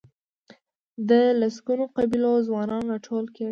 ده د لسګونو قبیلو ځوانان راټول کړل.